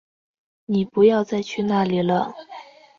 妳不要再去那里了